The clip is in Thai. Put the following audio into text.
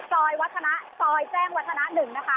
ที่ฉันอยู่ที่อาคารการปรับปลาส่วนภูมิภาพสำนักงานใหญ่นะคะ